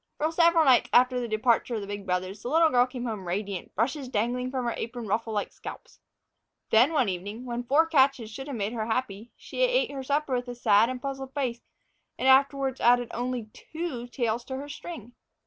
For several nights after the departure of the big brothers, the little girl came home radiant, brushes dangling from her apron ruffle like scalps. Then, one evening, when four catches should have made her happy, she ate her supper with a sad and puzzled face, and afterward added only two tails to her string.